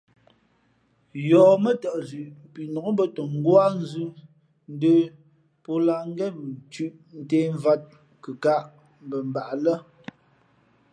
Yɔ̌ mά zʉʼ pʉnǒk mbᾱtα ngwáá nzʉ̄ ndə̄ pō lǎh ngén mʉ nthʉ̄ ntēh mvāt, kʉkāʼ mbα mbaʼ lά.